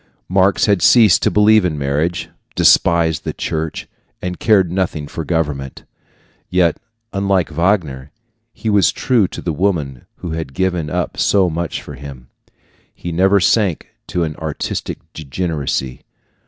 Marx had ceased to believe in marriage, despised the church, and cared nothing for government. Yet, unlike Wagner, he was true to the woman who had given up so much for him. He never sank to an artistic degeneracy.